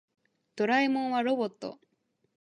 ドラえもんはロボット。